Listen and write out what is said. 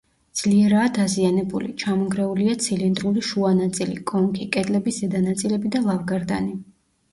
ძლიერაა დაზიანებული; ჩამონგრეულია ცილინდრული შუა ნაწილი, კონქი, კედლების ზედა ნაწილები და ლავგარდანი.